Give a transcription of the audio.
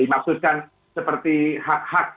dimaksudkan seperti hak hak